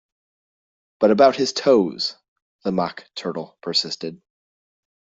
‘But about his toes?’ the Mock Turtle persisted.